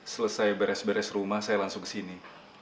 selesai beres beres rumah saya langsung kesini